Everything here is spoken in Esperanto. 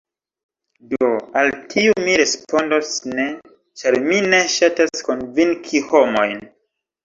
Do, al tiu mi respondos ‘ne’ ĉar mi ne ŝatas konvinki homojn